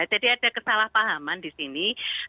ada kesalahpahaman di sini